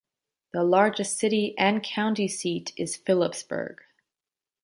The largest city and county seat is Phillipsburg.